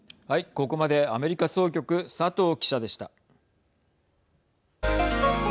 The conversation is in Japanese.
ここまでアメリカ総局、佐藤記者でした。